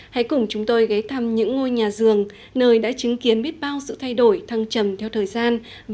hãy cùng chúng tôi ghé thăm những ngôi nhà dường nơi đã chứng kiến biết bao sự thay đổi thăng trầm theo thời gian